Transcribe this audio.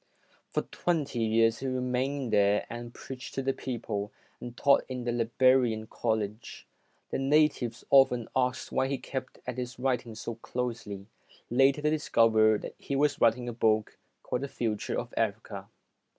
For twenty years, he remained there and preached to the people, and taught in the Liberian College. The natives often asked why he kept at his writing so closely. Later they discovered that he was writing a book called "The Future of Africa".